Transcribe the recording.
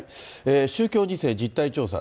宗教２世、実態調査。